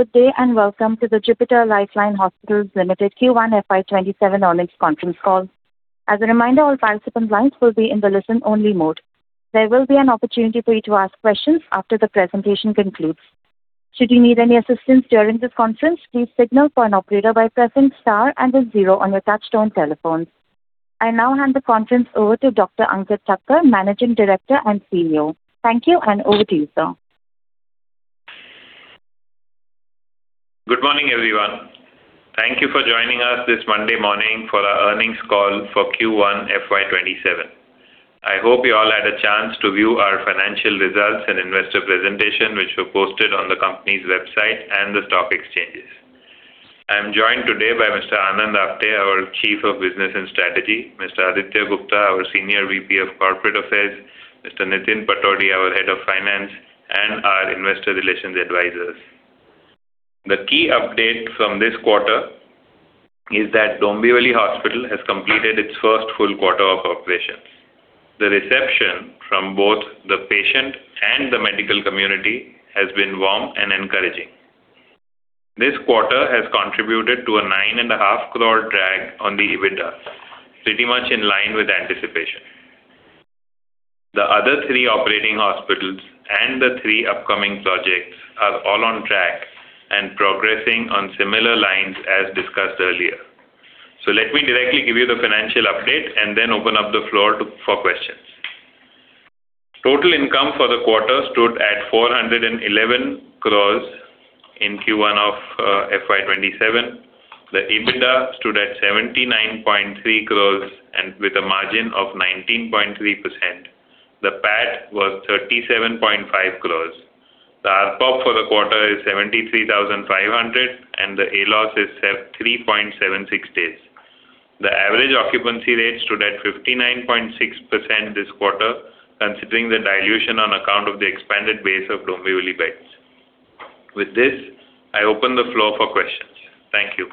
Good day and welcome to the Jupiter Life Line Hospitals Limited Q1 FY 2027 earnings conference call. As a reminder, all participant lines will be in the listen-only mode. There will be an opportunity for you to ask questions after the presentation concludes. Should you need any assistance during this conference, please signal for an operator by pressing star and then zero on your touch-tone telephones. I now hand the conference over to Dr. Ankit Thakker, Managing Director and CEO. Thank you. Over to you, sir. Good morning, everyone. Thank you for joining us this Monday morning for our earnings call for Q1 FY 2027. I hope you all had a chance to view our financial results and investor presentation, which were posted on the company's website and the stock exchanges. I am joined today by Mr. Anand Apte, our Chief of Business and Strategy, Mr. Aditya Gupta, our Senior VP of Corporate Affairs, Mr. Nitin Patodi, our Head of Finance, and our investor relations advisors. The key update from this quarter is that Dombivli Hospital has completed its first full quarter of operations. The reception from both the patient and the medical community has been warm and encouraging. This quarter has contributed to an 9.5 crore drag on the EBITDA, pretty much in line with anticipation. The other three operating hospitals and the three upcoming projects are all on track and progressing on similar lines as discussed earlier. Let me directly give you the financial update and then open up the floor for questions. Total income for the quarter stood at 411 crore in Q1 of FY 2027. The EBITDA stood at 79.3 crore with a margin of 19.3%. The PAT was 37.5 crore. The ARPOB for the quarter is 73,500, and the ALOS is 3.76 days. The average occupancy rate stood at 59.6% this quarter, considering the dilution on account of the expanded base of Dombivli beds. With this, I open the floor for questions. Thank you.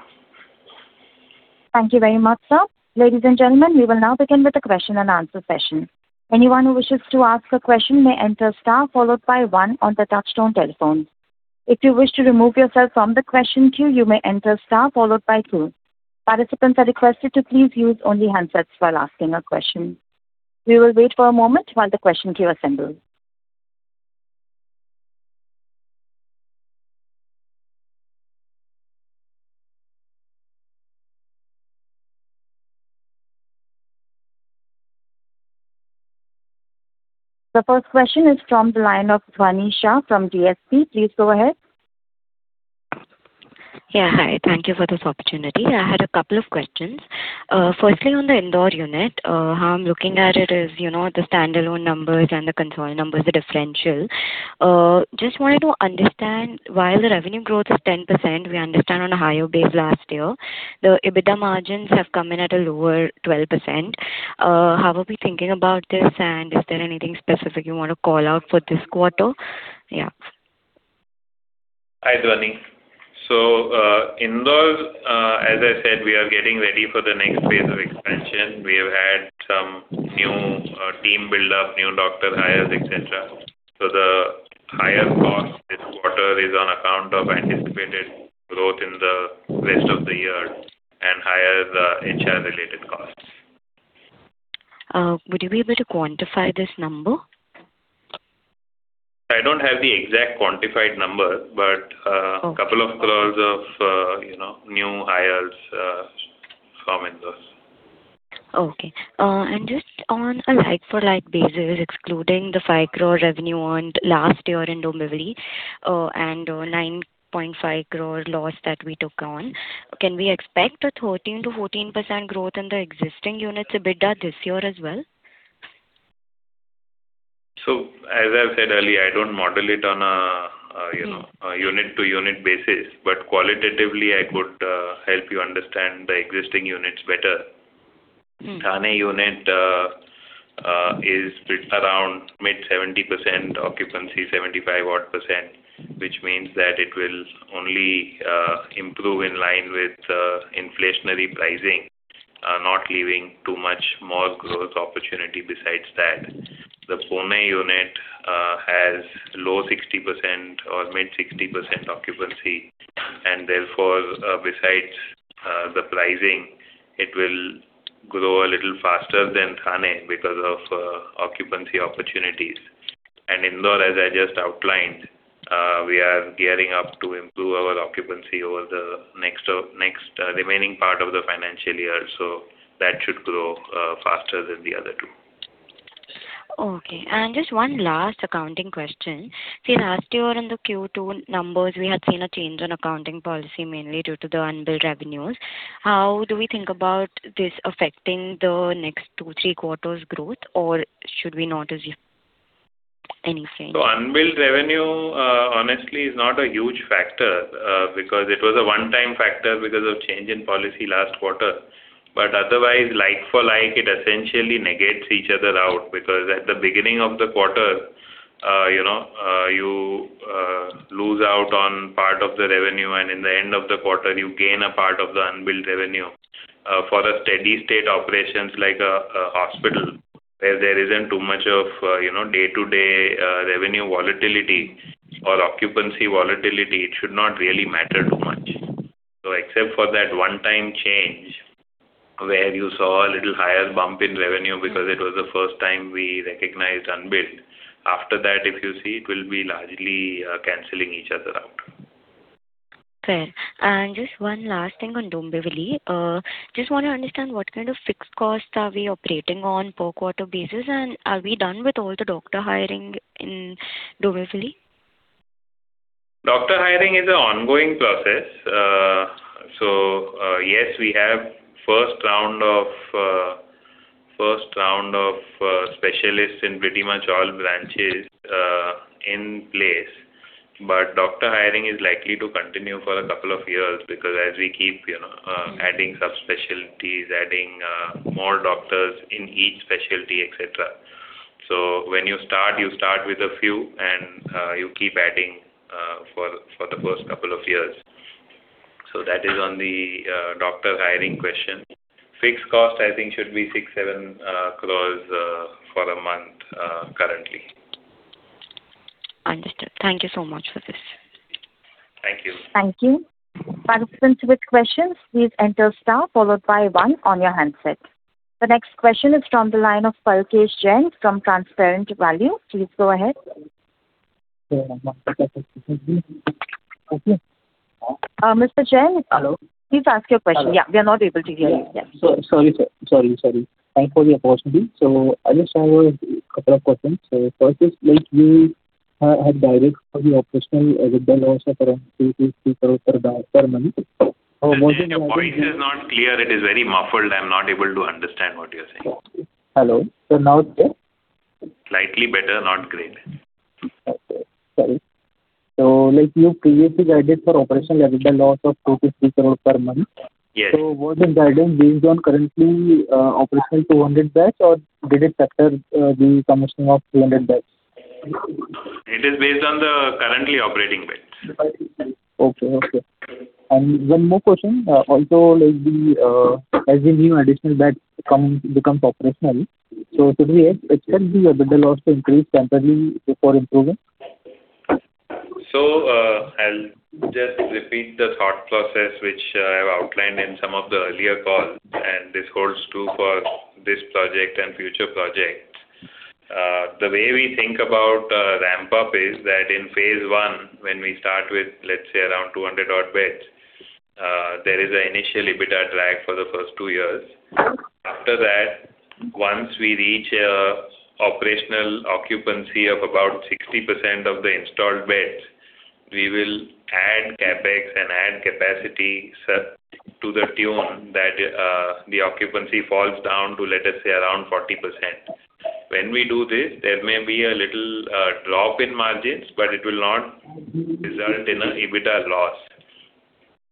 Thank you very much, sir. Ladies and gentlemen, we will now begin with the question-and-answer session. Anyone who wishes to ask a question may enter star followed by one on the touch-tone telephone. If you wish to remove yourself from the question queue, you may enter star followed by two. Participants are requested to please use only handsets while asking a question. We will wait for a moment while the question queue assembles. The first question is from the line of Dhvani Shah from DSP. Please go ahead. Hi. Thank you for this opportunity. I had a couple of questions. Firstly, on the Indore unit, how I am looking at it is the standalone numbers and the consol numbers, the differential. Just wanted to understand why the revenue growth is 10%. We understand on a higher base last year. The EBITDA margins have come in at a lower 12%. How are we thinking about this, and is there anything specific you want to call out for this quarter? Hi, Dhvani. Indore as I said, we are getting ready for the next phase of expansion. We have had some new team build up, new doctor hires, et cetera. The higher cost this quarter is on account of anticipated growth in the rest of the year and higher HR related costs. Would you be able to quantify this number? I don't have the exact quantified number, but a couple of crores of new hires from Indore. Okay. Just on a like-for-like basis, excluding the 5 crore revenue earned last year in Dombivli and 9.5 crore loss that we took on, can we expect a 13%-14% growth in the existing unit EBITDA this year as well? As I've said earlier, I don't model it on a unit-to-unit basis. Qualitatively I could help you understand the existing units better. Thane unit is around mid 70% occupancy, 75 odd percent, which means that it will only improve in line with inflationary pricing, not leaving too much more growth opportunity besides that. The Pune unit has low 60% or mid 60% occupancy and therefore, besides the pricing, it will grow a little faster than Thane because of occupancy opportunities. Indore as I just outlined, we are gearing up to improve our occupancy over the next remaining part of the financial year. That should grow faster than the other two. Okay. Just one last accounting question. See, last year in the Q2 numbers, we had seen a change in accounting policy, mainly due to the unbilled revenues. How do we think about this affecting the next two, three quarters' growth, or should we not assume anything? Unbilled revenue honestly is not a huge factor because it was a one-time factor because of change in policy last quarter. Otherwise, like for like, it essentially negates each other out because at the beginning of the quarter you lose out on part of the revenue, and in the end of the quarter, you gain a part of the unbilled revenue. For a steady-state operations like a hospital where there isn't too much of day-to-day revenue volatility or occupancy volatility, it should not really matter too much. Except for that one-time change, where you saw a little higher bump in revenue because it was the first time we recognized unbilled. After that, if you see, it will be largely canceling each other out. Fair. Just one last thing on Dombivli. Just want to understand what kind of fixed costs are we operating on per quarter basis, and are we done with all the doctor hiring in Dombivli? Doctor hiring is an ongoing process. Yes, we have first round of specialists in pretty much all branches in place. Doctor hiring is likely to continue for a couple of years because as we keep adding subspecialties, adding more doctors in each specialty, et cetera. When you start, you start with a few, and you keep adding for the first couple of years. That is on the doctor hiring question. Fixed cost, I think should be 6, 7 crores for a month currently. Understood. Thank you so much for this. Thank you. Thank you. Participants with questions, please enter star followed by one on your handset. The next question is from the line of Palkesh Jain from Transparent Value. Please go ahead. Mr. Jain. Hello. Please ask your question. We are not able to hear you. Sorry, sir. Thanks for the opportunity. I just have a couple of questions. First is like you have guided for the operational EBITDA loss of INR 2 crores-INR 3 crores per month. Your voice is not clear. It is very muffled. I'm not able to understand what you're saying. Okay. Hello. Now okay? Slightly better, not great. Okay. Sorry. Like you previously guided for operational EBITDA loss of 2 crores-3 crores per month. Yes. Was the guidance based on currently operational 200 beds, or did it factor the commissioning of 300 beds? It is based on the currently operating beds. Okay. One more question. Also, as the new additional beds become operational, should we expect the EBITDA loss to increase temporarily before improving? I'll just repeat the thought process, which I have outlined in some of the earlier calls, and this holds true for this project and future projects. The way we think about ramp-up is that in phase one, when we start with, let's say, around 200 odd beds, there is an initial EBITDA drag for the first two years. Once we reach operational occupancy of about 60% of the installed beds, we will add CapEx and add capacity to the tune that the occupancy falls down to, let us say, around 40%. When we do this, there may be a little drop in margins, but it will not result in an EBITDA loss.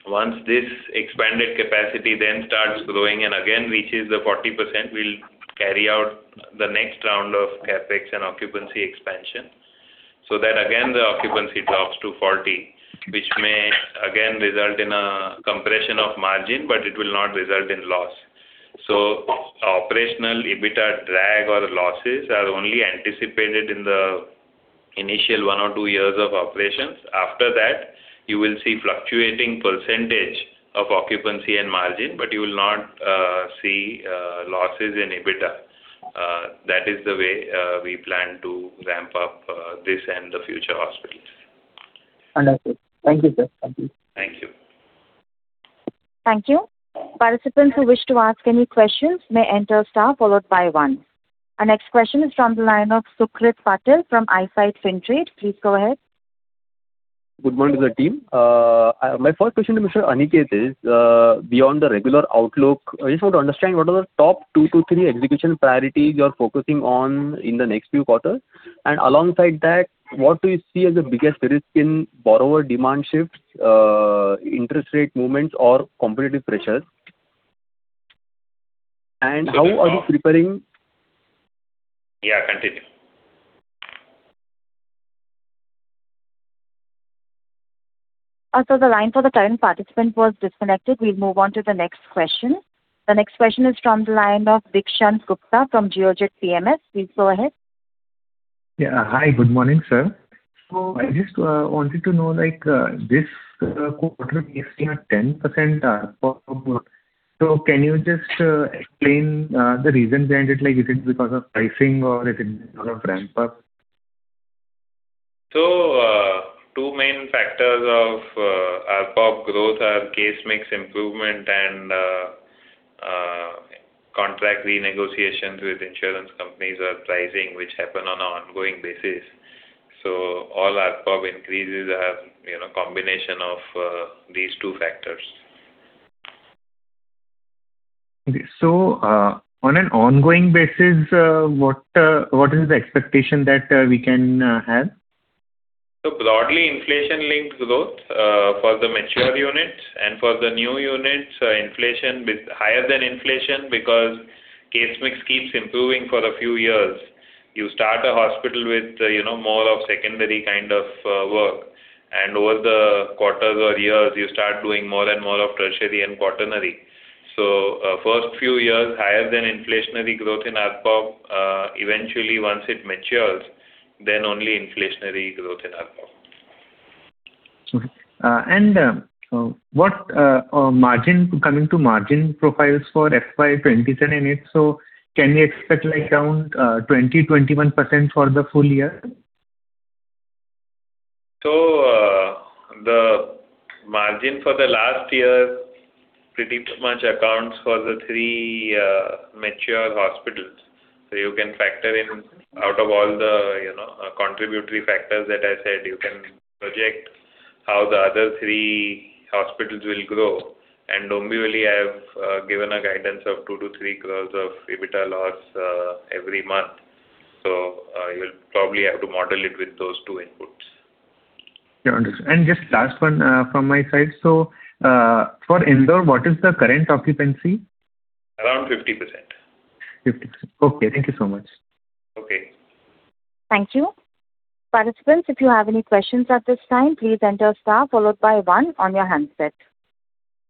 Once this expanded capacity then starts growing and again reaches the 40%, we'll carry out the next round of CapEx and occupancy expansion. That again, the occupancy drops to 40, which may again result in a compression of margin, but it will not result in loss. Operational EBITDA drag or losses are only anticipated in the initial one or two years of operations. After that, you will see fluctuating percentage of occupancy and margin, but you will not see losses in EBITDA. That is the way we plan to ramp up this and the future hospitals. Understood. Thank you, sir. Thank you. Thank you. Participants who wish to ask any questions may enter star followed by one. Our next question is from the line of Sucrit Patil from Eyesight Fintrade. Please go ahead. Good morning to the team. My first question to Mr. Ankit is, beyond the regular outlook, I just want to understand what are the top two to three execution priorities you're focusing on in the next few quarters. Alongside that, what do you see as the biggest risk in borrower demand shifts, interest rate movements, or competitive pressures? How are you preparing- Yeah, continue. The line for the current participant was disconnected. We'll move on to the next question. The next question is from the line of Dikshant Gupta from Geojit PMS. Please go ahead. Hi, good morning, sir. I just wanted to know, like, this quarter we are seeing a 10% ARPOB growth. Can you just explain the reason behind it? Is it because of pricing or is it because of ramp-up? Two main factors of ARPOB growth are case mix improvement and contract renegotiations with insurance companies or pricing, which happen on an ongoing basis. All ARPOB increases are a combination of these two factors. Okay. On an ongoing basis, what is the expectation that we can have? Broadly, inflation-linked growth for the mature units and for the new units, higher than inflation because case mix keeps improving for a few years. You start a hospital with more of secondary kind of work over the quarters or years, you start doing more and more of tertiary and quaternary. First few years, higher than inflationary growth in ARPOB, eventually once it matures, then only inflationary growth in ARPOB. Okay. Coming to margin profiles for FY 2027, can we expect around 20%-21% for the full year? The margin for the last year pretty much accounts for the three mature hospitals. You can factor in out of all the contributory factors that I said, you can project how the other three hospitals will grow. Dombivli, I have given a guidance of 2 crore-3 crore of EBITDA loss every month. You'll probably have to model it with those two inputs. Yeah, understood. Just last one from my side. For Indore, what is the current occupancy? Around 50%. 50%. Okay. Thank you so much. Okay. Thank you. Participants, if you have any questions at this time, please enter star followed by one on your handset.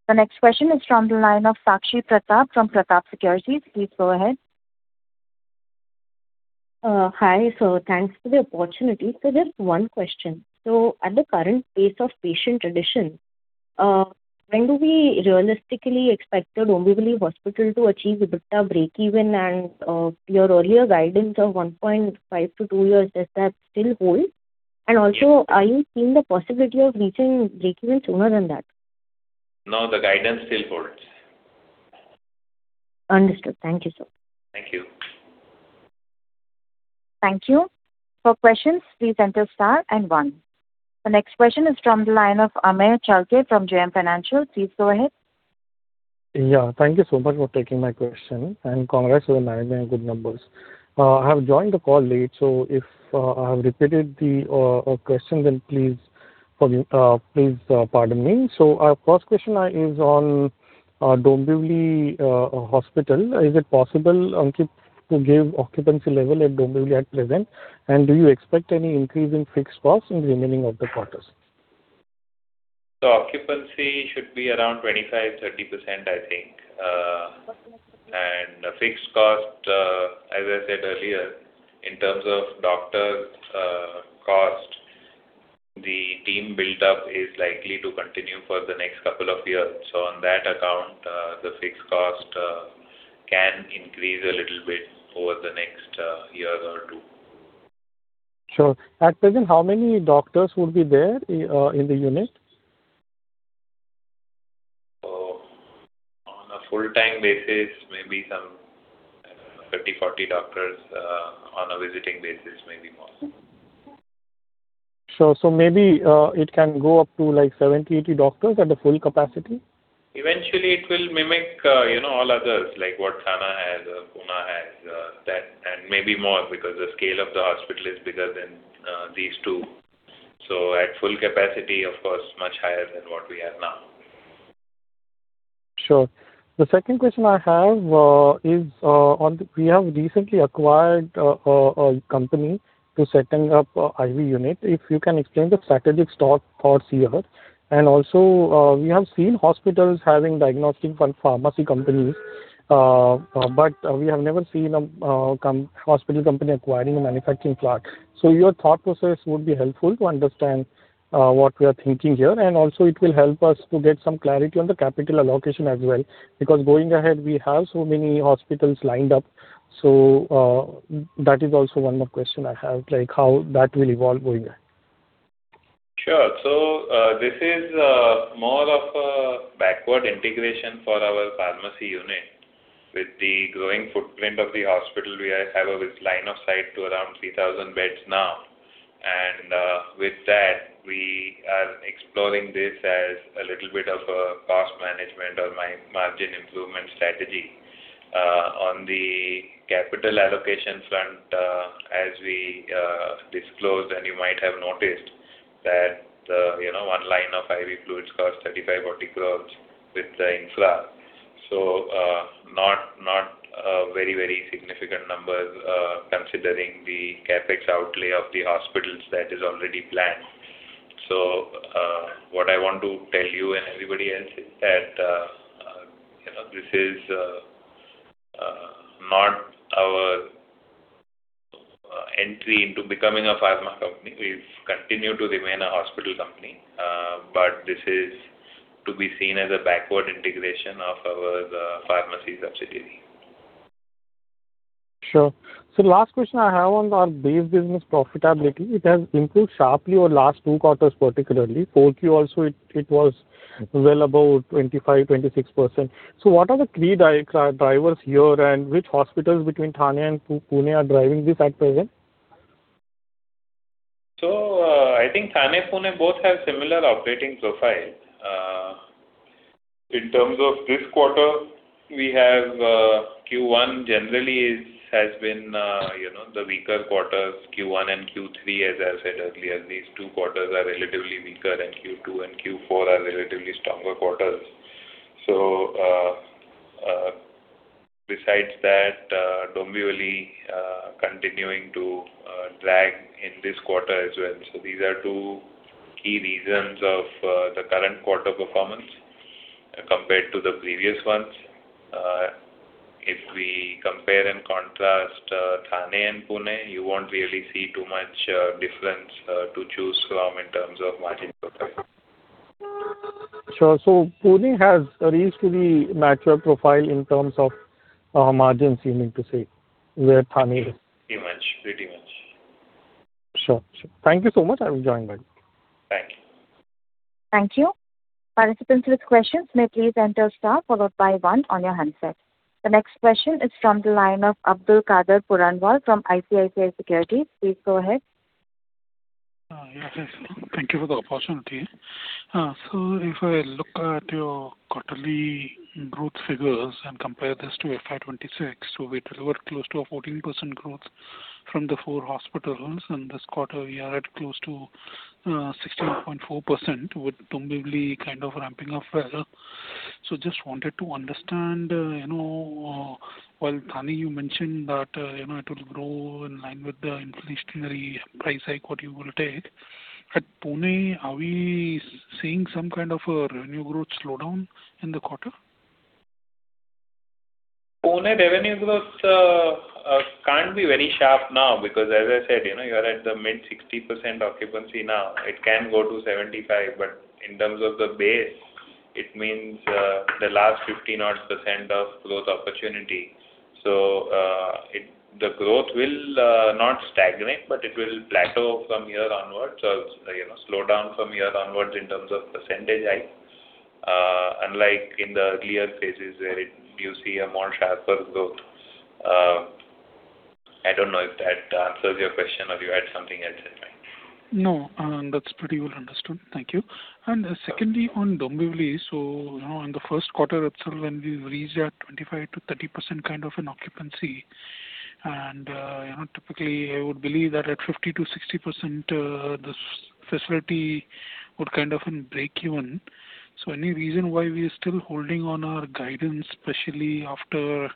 The next question is from the line of Sakshi Pratap from Pratap Security. Please go ahead. Hi, sir. Thanks for the opportunity. Sir, just one question. At the current pace of patient addition, when do we realistically expect the Dombivli Hospital to achieve EBITDA breakeven and your earlier guidance of 1.5 to two years, does that still hold? Are you seeing the possibility of reaching breakeven sooner than that? No, the guidance still holds. Understood. Thank you, sir. Thank you. Thank you. For questions, please enter star and one. The next question is from the line of Amey Chalke from JM Financial. Please go ahead. Thank you so much for taking my question, and congrats on managing good numbers. I have joined the call late, if I have repeated the question, then please pardon me. Our first question is on Dombivli Hospital. Is it possible to give occupancy level at Dombivli at present, and do you expect any increase in fixed costs in the remaining of the quarters? Occupancy should be around 25%, 30%, I think. Fixed cost, as I said earlier, in terms of doctor cost, the team buildup is likely to continue for the next couple of years. On that account, the fixed cost can increase a little bit over the next year or two. Sure. At present, how many doctors would be there in the unit? On a full-time basis, maybe some 30, 40 doctors on a visiting basis may be possible. Sure. Maybe it can go up to 70, 80 doctors at the full capacity? Eventually, it will mimic all others, like what Thane has, Pune has, and maybe more because the scale of the hospital is bigger than these two. At full capacity, of course, much higher than what we have now. Sure. The second question I have is on, we have recently acquired a company to setting up IV unit. If you can explain the strategic thoughts here. We have seen hospitals having diagnostic and pharmacy companies, but we have never seen a hospital company acquiring a manufacturing plant. Your thought process would be helpful to understand what we are thinking here, and also it will help us to get some clarity on the capital allocation as well. Because going ahead, we have so many hospitals lined up. That is also one more question I have, how that will evolve going ahead. Sure. This is more of a backward integration for our pharmacy unit. With the growing footprint of the hospital, we have a line of sight to around 3,000 beds now. With that, we are exploring this as a little bit of a cost management or margin improvement strategy. On the capital allocations front, as we disclosed, and you might have noticed that one line of IV fluids costs 35 crore-40 crore with the infra. Not a very, very significant number considering the CapEx outlay of the hospitals that is already planned. What I want to tell you and everybody else is that this is not our entry into becoming a pharma company. We continue to remain a hospital company. This is to be seen as a backward integration of our pharmacy subsidiary. Sure. Last question I have on our base business profitability. It has improved sharply over last two quarters, particularly. 4Q also it was well above 25%-26%. What are the key drivers here and which hospitals between Thane and Pune are driving this at present? I think Thane, Pune both have similar operating profiles. In terms of this quarter, we have Q1 generally has been the weaker quarters. Q1 and Q3, as I said earlier, these two quarters are relatively weaker, and Q2 and Q4 are relatively stronger quarters. Besides that, Dombivli continuing to drag in this quarter as well. These are two key reasons of the current quarter performance compared to the previous ones. If we compare and contrast Thane and Pune, you won't really see too much difference to choose from in terms of margin profile. Sure. Pune has reached the mature profile in terms of margins, you mean to say, where Thane is? Pretty much. Sure. Thank you so much. I will join back. Thank you. Thank you. Participants with questions may please enter star followed by one on your handset. The next question is from the line of Abdulkader Puranwala from ICICI Securities. Please go ahead. Thank you for the opportunity. If I look at your quarterly growth figures and compare this to FY 2026, we delivered close to a 14% growth from the four hospitals. In this quarter, we are at close to 16.4% with Dombivli kind of ramping up well. Just wanted to understand, while Thane, you mentioned that it will grow in line with the inflationary price hike what you will take. At Pune, are we seeing some kind of a revenue growth slowdown in the quarter? Pune revenue growth can't be very sharp now because, as I said, you're at the mid-60% occupancy now. It can go to 75%, but in terms of the base, it means the last 50 odd percent of growth opportunity. The growth will, not stagnate, but it will plateau from here onwards or slow down from here onwards in terms of percentage unlike in the earlier phases where you see a more sharper growth. I don't know if that answers your question or you had something else in mind. No, that's pretty well understood. Thank you. Secondly, on Dombivli, in the first quarter itself, when we reached that 25%-30% kind of an occupancy, and typically I would believe that at 50%-60% this facility would kind of break even. Any reason why we are still holding on our guidance, especially after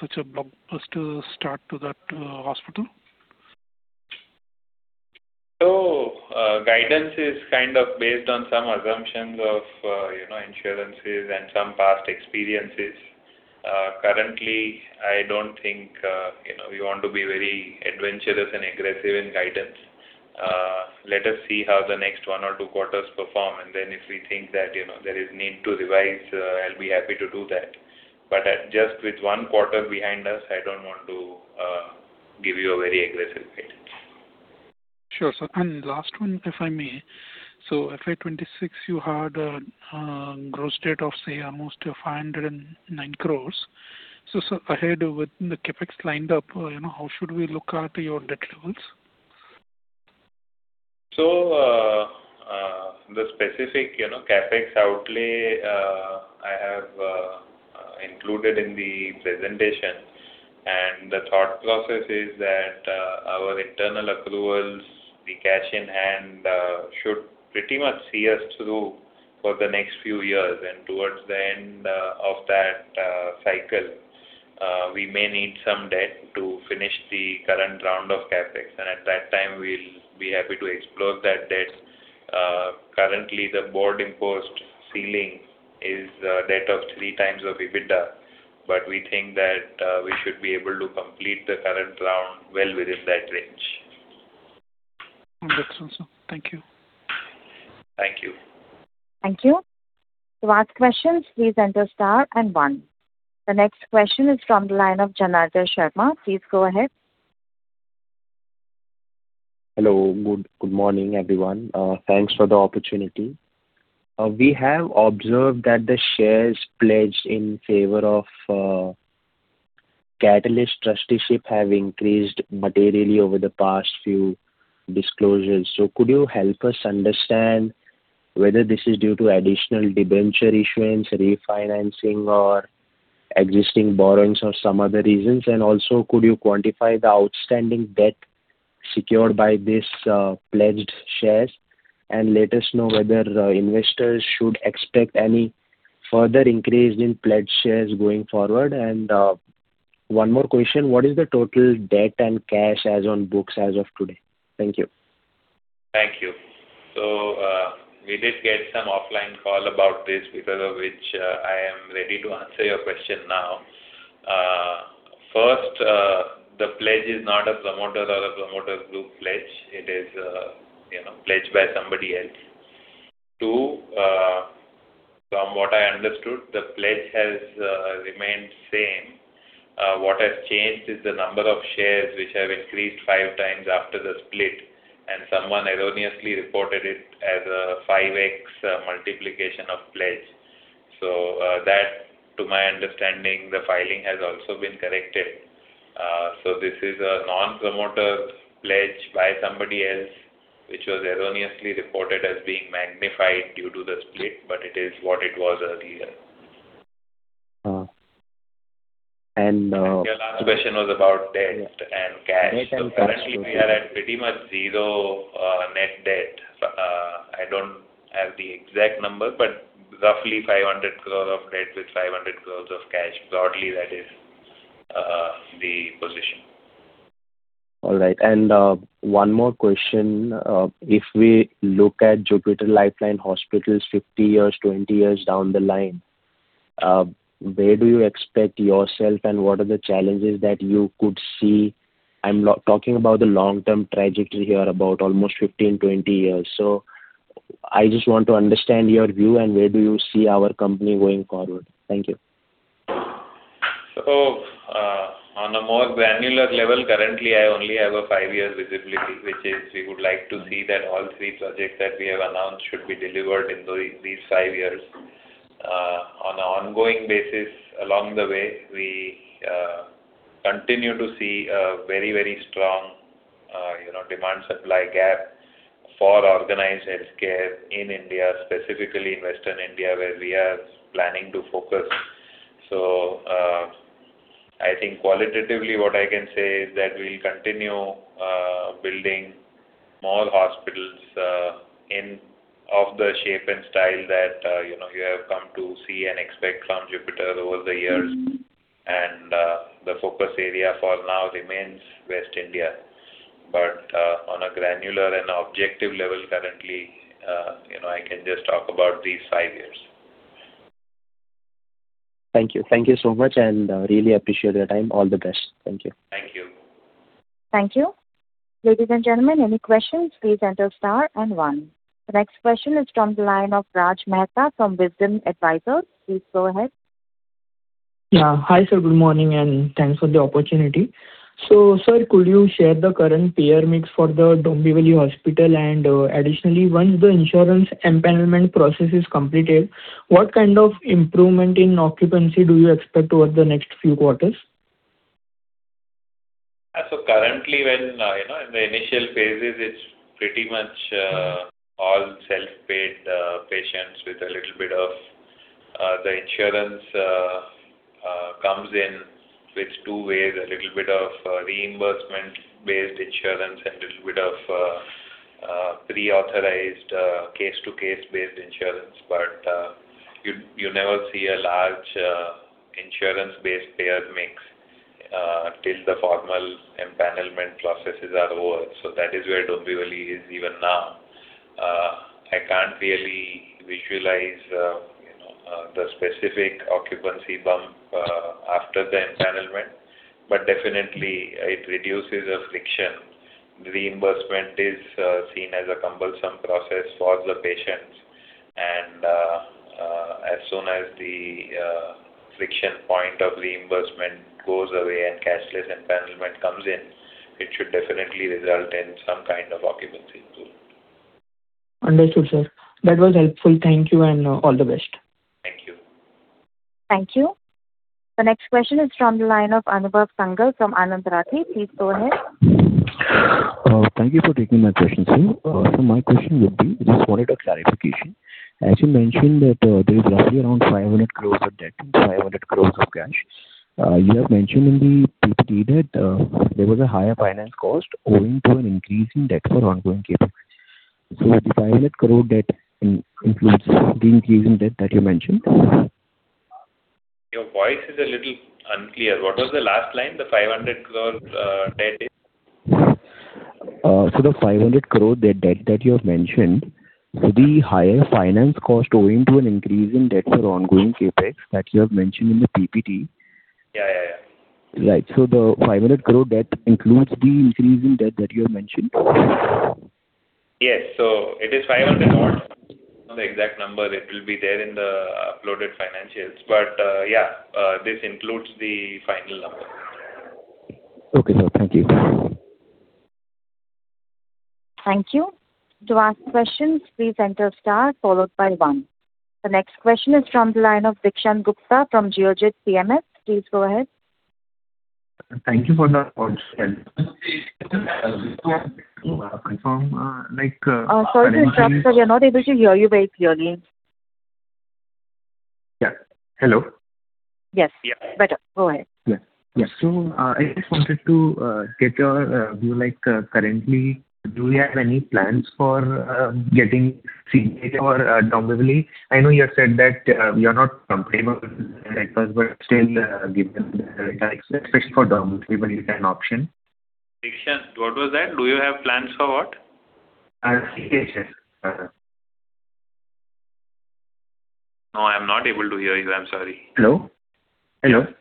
such a blockbuster start to that hospital? Guidance is kind of based on some assumptions of insurances and some past experiences. Currently, I don't think we want to be very adventurous and aggressive in guidance. Let us see how the next one or two quarters perform, and then if we think that there is need to revise, I'll be happy to do that. But at just with one quarter behind us, I don't want to give you a very aggressive guidance. Sure, sir. Last one, if I may. FY 2026, you had a gross debt of, say, almost 509 crores. Sir, ahead with the CapEx lined up, how should we look at your debt levels? The specific CapEx outlay I have included in the presentation and the thought process is that our internal accruals, the cash in hand should pretty much see us through for the next few years, and towards the end of that cycle, we may need some debt to finish the current round of CapEx, and at that time, we'll be happy to explore that debt. Currently, the board-imposed ceiling is debt of 3x of EBITDA, but we think that we should be able to complete the current round well within that range. That's all, sir. Thank you. Thank you. Thank you. To ask questions, please enter star and one. The next question is from the line of Janardhan Sharma. Please go ahead. Hello. Good morning, everyone. Thanks for the opportunity. We have observed that the shares pledged in favor of Catalyst Trusteeship have increased materially over the past few disclosures. Could you help us understand whether this is due to additional debenture issuance, refinancing or existing borrowings or some other reasons? Also, could you quantify the outstanding debt secured by these pledged shares? Let us know whether investors should expect any further increase in pledged shares going forward. One more question. What is the total debt and cash as on books as of today? Thank you. Thank you. We did get some offline call about this, because of which I am ready to answer your question now. First, the pledge is not a promoter or a promoter group pledge. It is pledged by somebody else. Two, from what I understood, the pledge has remained same. What has changed is the number of shares, which have increased 5x after the split, and someone erroneously reported it as a 5X multiplication of pledge. That, to my understanding, the filing has also been corrected. This is a non-promoter pledge by somebody else, which was erroneously reported as being magnified due to the split, but it is what it was earlier. And- Your last question was about debt and cash. Debt and cash. Okay. Currently, we are at pretty much zero net debt. I don't have the exact number, but roughly 500 crore of debt with 500 crore of cash. Broadly, that is the position. All right. One more question. If we look at Jupiter Life Line Hospitals 50 years, 20 years down the line, where do you expect yourself and what are the challenges that you could see? I'm talking about the long-term trajectory here, about almost 15, 20 years. I just want to understand your view and where do you see our company going forward. Thank you. On a more granular level, currently, I only have a five-year visibility, which is we would like to see that all three projects that we have announced should be delivered in these five years. On an ongoing basis along the way, we continue to see a very, very strong demand-supply gap for organized healthcare in India, specifically in Western India, where we are planning to focus. I think qualitatively what I can say is that we'll continue building more hospitals of the shape and style that you have come to see and expect from Jupiter over the years. The focus area for now remains West India. On a granular and objective level, currently I can just talk about these five years. Thank you. Thank you so much and really appreciate your time. All the best. Thank you. Thank you. Thank you. Ladies and gentlemen, any questions, please enter star and one. The next question is from the line of Raj Mehta from Wisdom Advisors. Please go ahead. Yeah. Hi, sir. Good morning, and thanks for the opportunity. Sir, could you share the current payer mix for the Dombivli Hospital? Additionally, once the insurance empanelment process is completed, what kind of improvement in occupancy do you expect over the next few quarters? Currently, in the initial phases, it's pretty much all self-paid patients with a little bit of the insurance comes in with two ways, a little bit of reimbursement-based insurance and a little bit of pre-authorized case-to-case based insurance. You never see a large insurance-based payer mix till the formal empanelment processes are over. That is where Dombivli is even now. I can't really visualize the specific occupancy bump after the empanelment, but definitely it reduces a friction. Reimbursement is seen as a cumbersome process for the patients and as soon as the friction point of reimbursement goes away and cashless empanelment comes in, it should definitely result in some kind of occupancy improvement. Understood, sir. That was helpful. Thank you and all the best. Thank you. Thank you. The next question is from the line of Anubhav Sangal from Anand Rathi. Please go ahead. Thank you for taking my question, sir. My question would be, just wanted a clarification. As you mentioned that there is roughly around 500 crore of debt and 500 crore of cash. You have mentioned in the PPT that there was a higher finance cost owing to an increase in debt for ongoing CapEx. The 500 crore debt includes the increase in debt that you mentioned? Your voice is a little unclear. What was the last line? The 500 crore debt is? The 500 crore debt that you have mentioned, the higher finance cost owing to an increase in debt for ongoing CapEx that you have mentioned in the PPT. Yeah. Right. The 500 crore debt includes the increase in debt that you have mentioned? Yes. It is 500 odd. I don't know the exact number. It will be there in the uploaded financials. Yeah, this includes the final number. Okay, sir. Thank you. Thank you. To ask questions, please enter star followed by one. The next question is from the line of Dikshant Gupta from Geojit PMS. Please go ahead. Thank you for the confirm like. Sorry to interrupt, sir. We are not able to hear you very clearly. Yeah. Hello. Yes, better. Go ahead. Yeah. I just wanted to get your view like currently, do we have any plans for getting CGHS for Dombivli? I know you have said that you are not comfortable with but still an option. Dikshant, what was that? Do you have plans for what? CGHS. No, I'm not able to hear you. I'm sorry. Hello. For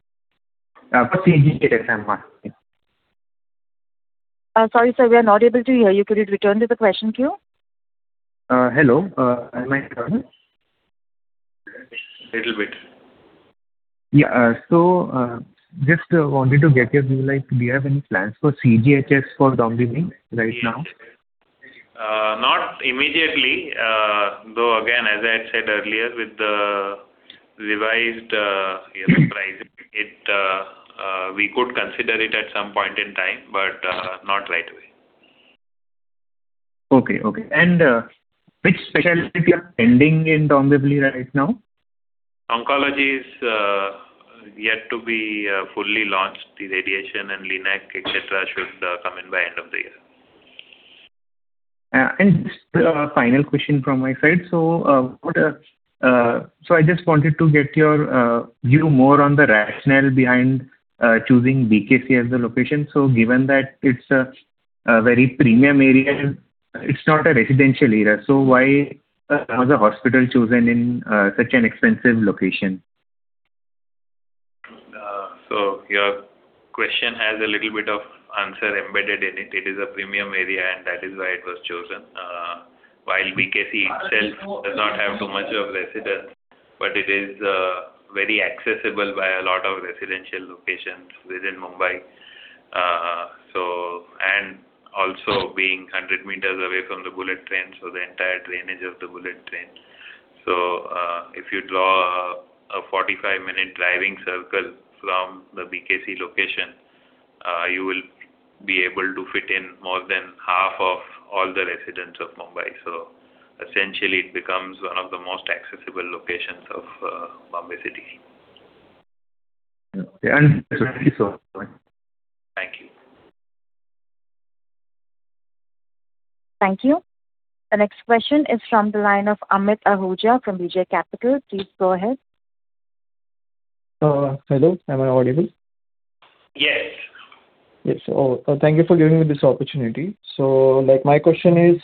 CGHS, I'm asking. Sorry, sir. We are not able to hear you. Could you return to the question queue? Hello. Am I heard? Little bit. Yeah. Just wanted to get your view like, do you have any plans for CGHS for Dombivli right now? Not immediately. Though again, as I had said earlier, with the revised prices, we could consider it at some point in time, but not right away. Okay. Which specialty you are pending in Dombivli right now? Oncology is yet to be fully launched. The radiation and LINAC, et cetera, should come in by end of the year. Just the final question from my side. I just wanted to get your view more on the rationale behind choosing BKC as the location. Given that it's a very premium area, and it's not a residential area, why was the hospital chosen in such an expensive location? Your question has a little bit of answer embedded in it. It is a premium area, and that is why it was chosen. While BKC itself does not have so much of residents, but it is very accessible by a lot of residential locations within Mumbai. Also being 100 m away from the bullet train, the entire drainage of the bullet train. If you draw a 45-minute driving circle from the BKC location, you will be able to fit in more than half of all the residents of Mumbai. Essentially it becomes one of the most accessible locations of Bombay City. Okay. Thank you, sir. Thank you. Thank you. The next question is from the line of Amit Ahuja from DJ Capital. Please go ahead. Hello, am I audible? Yes. Yes. Thank you for giving me this opportunity. My question is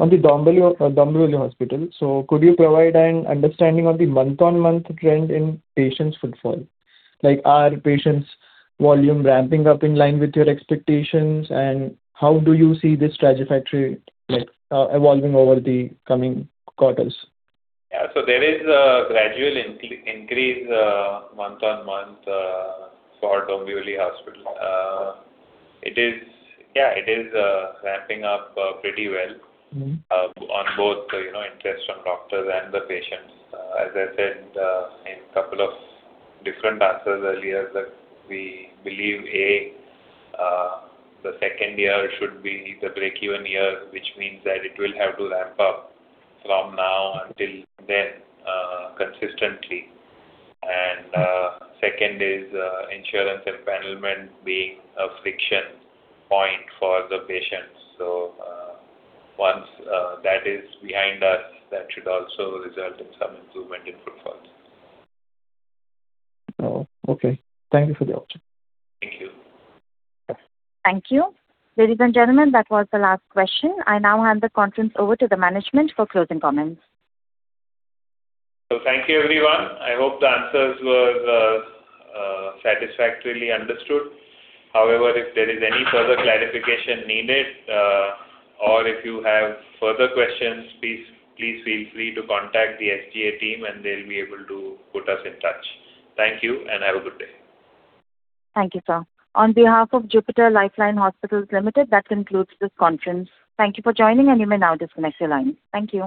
on the Dombivli Hospital. Could you provide an understanding of the month-on-month trend in patients footfall? Are patients volume ramping up in line with your expectations, and how do you see this trajectory evolving over the coming quarters? Yeah. There is a gradual increase month-on-month for Dombivli Hospital. It is ramping up pretty well on both interest from doctors and the patients. As I said in couple of different answers earlier, that we believe, A, the second year should be the break-even year, which means that it will have to ramp up from now until then consistently. Second is insurance empanelment being a friction point for the patients. Once that is behind us, that should also result in some improvement in footfalls. Oh, okay. Thank you for the update. Thank you. Thank you. Ladies and gentlemen, that was the last question. I now hand the conference over to the management for closing comments. Thank you everyone. I hope the answers were satisfactorily understood. However, if there is any further clarification needed, or if you have further questions, please feel free to contact the SGA team and they'll be able to put us in touch. Thank you, and have a good day. Thank you, sir. On behalf of Jupiter Life Line Hospitals Limited, that concludes this conference. Thank you for joining, and you may now disconnect your lines. Thank you